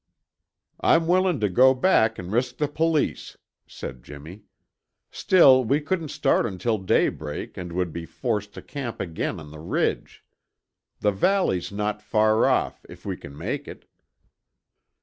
"I'm willing to go back and risk the police," said Jimmy. "Still, we couldn't start until daybreak and would be forced to camp again on the ridge. The valley's not far off; if we can make it."